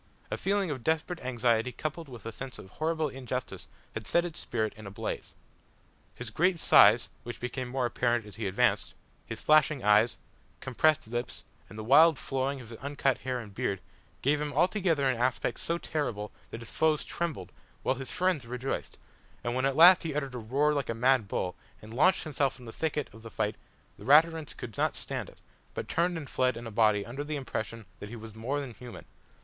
A feeling of desperate anxiety coupled with a sense of horrible injustice had set his spirit in a blaze. His great size, which became more apparent as he advanced, his flashing eyes, compressed lips, and the wild flowing of his uncut hair and beard, gave him altogether an aspect so terrible that his foes trembled, while his friends rejoiced, and when at last he uttered a roar like a mad bull, and launched himself into the thickest of the fight the Raturans could not stand it, but turned and fled in a body under the impression that he was more than human.